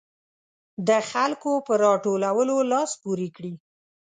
د خلکو په راټولولو لاس پورې کړي.